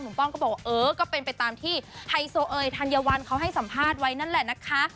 ป้องก็บอกว่าเออก็เป็นไปตามที่ไฮโซเอยธัญวัลเขาให้สัมภาษณ์ไว้นั่นแหละนะคะ